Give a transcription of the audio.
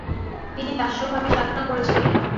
তিনি দাস্যভাবে সাধনা করেছিলেন।